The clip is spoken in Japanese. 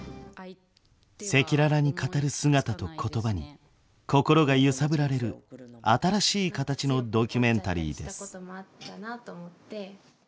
赤裸々に語る姿と言葉に心が揺さぶられる新しい形のドキュメンタリーです。